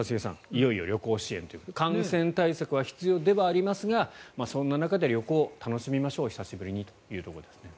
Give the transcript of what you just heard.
いよいよ旅行支援ということで感染対策は必要ではありますがそんな中で、旅行楽しみましょう久しぶりにというところですね。